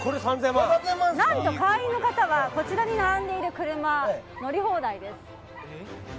何と会員の方はこちらに並んでいる車乗り放題です。